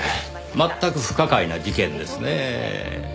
まったく不可解な事件ですねぇ。